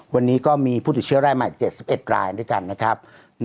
วันนี้ก็มีผู้ติดเชื้อรายใหม่๗๑รายด้วยกันนะครับ